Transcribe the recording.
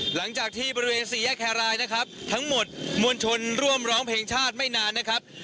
หลังจากที่บริเวณสี่แยกแครรายนะครับทั้งหมดมวลชนร่วมร้องเพลงชาติไม่นานนะครับ